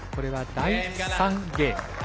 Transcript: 第３ゲーム。